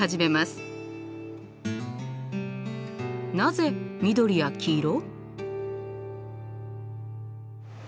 なぜ緑や黄色？